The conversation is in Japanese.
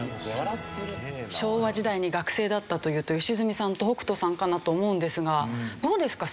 昭和時代に学生だったというと良純さんと北斗さんかなと思うんですがどうですか？